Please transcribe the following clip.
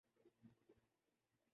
ان پہ ظلم کی شب کب سے چلی آ رہی ہے۔